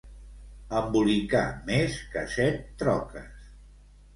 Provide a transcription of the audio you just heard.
Embolicar més que set troques.